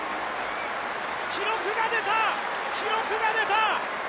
記録が出た、記録が出た！